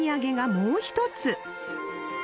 もう一つ